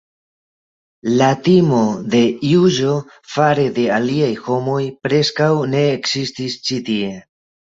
La timo de juĝo fare de aliaj homoj preskaŭ ne ekzistis ĉi tie.